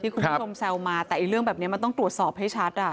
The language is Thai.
คุณผู้ชมแซวมาแต่เรื่องแบบนี้มันต้องตรวจสอบให้ชัด